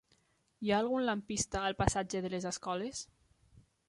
Hi ha algun lampista al passatge de les Escoles?